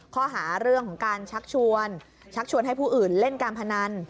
ข้อหาเรื่องของการชักชวนชักชวนให้ผู้อื่นเล่นการพนัน